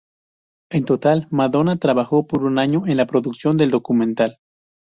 En total, Madonna trabajó por un año en la producción del documental.